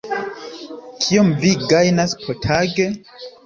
Kiom vi gajnas potage?